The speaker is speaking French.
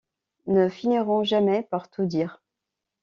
Ne finiront jamais par tout dire.